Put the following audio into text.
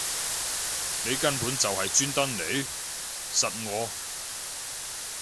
你根本就係專登嚟????實我